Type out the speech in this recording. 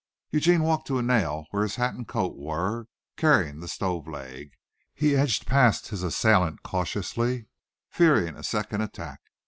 Eugene walked to a nail where his hat and coat were, carrying the stove leg. He edged past his assailant cautiously, fearing a second attack.